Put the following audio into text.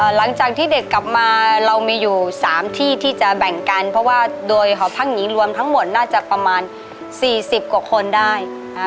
หลังจากที่เด็กกลับมาเรามีอยู่๓ที่ที่จะแบ่งกันเพราะว่าโดยหอพักหญิงรวมทั้งหมดน่าจะประมาณ๔๐กว่าคนได้